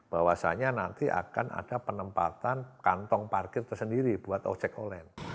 bahwasannya nanti akan ada penempatan kantong parkir tersendiri buat ojek online